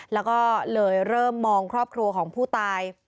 แล้วก็เลยเริ่มมองครอบครัวของผู้ตาย